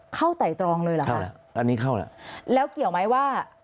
เข้าไต่ตรองเลยหรือค่ะแล้วเกี่ยวไหมว่า